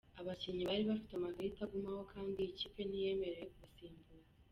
Abakinnyi bari bafite amakarita agumaho kandi ikipe ntiyemerewe kubasimbuza.